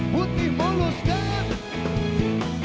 putih molos dan